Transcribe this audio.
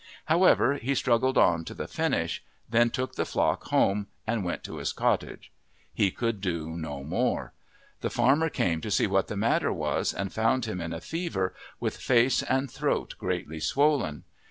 However, he struggled on to the finish, then took the flock home and went to his cottage. He could do no more. The farmer came to see what the matter was, and found him in a fever, with face and throat greatly swollen.